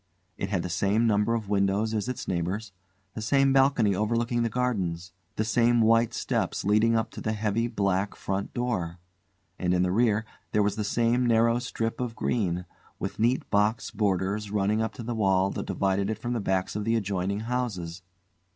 It had the same number of windows as its neighbours; the same balcony overlooking the gardens; the same white steps leading up to the heavy black front door; and, in the rear, there was the same narrow strip of green, with neat box borders, running up to the wall that divided it from the backs of the adjoining houses.